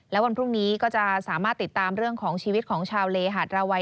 และวันพรุ่งนี้ก็จะสามารถติดตามเรื่องของชีวิตของชาวเลหาดราวัย